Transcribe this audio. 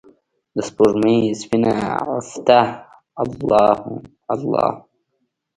دسپوږمۍ سپینه عفته الله هو، الله هو